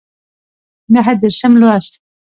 نهه دیرشم لوست